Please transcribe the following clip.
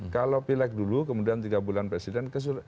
kalau pilek dulu kemudian tiga bulan presiden